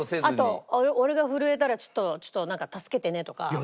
あと「俺が震えたらちょっとなんか助けてね」とか。